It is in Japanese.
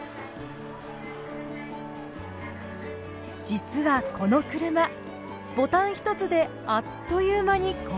実はこの車ボタン一つであっという間にこんな姿に。